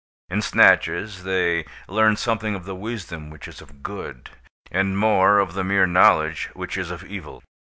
In snatches, they learn something of the wisdom which is of good, and more of the mere knowledge which is of evil.